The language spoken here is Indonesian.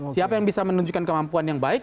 siapa yang bisa menunjukkan kemampuan yang baik